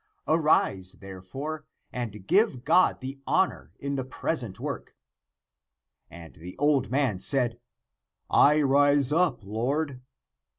Arise, therefore, and give God the honor in the present work." And the old man said, " I rise up, lord."